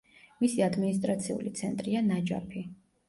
მისი ადმინისტრაციული ცენტრია ნაჯაფი.